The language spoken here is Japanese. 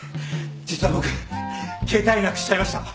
実は僕携帯なくしちゃいました。